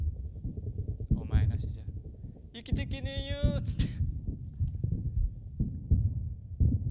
「お前なしじゃ生きてけねえよ」つって。